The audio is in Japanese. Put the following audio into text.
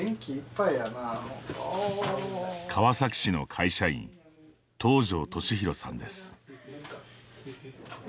川崎市の会社員東條利弘さんです。